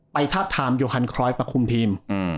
ไปทับทามยอฮัลครอยฟค์มาคุ้มทีม